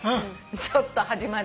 ちょっと端まで。